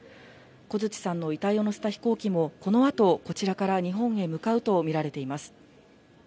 小槌さんの遺体を乗せた飛行機もこの後、こちらから日本に向かうとみられています。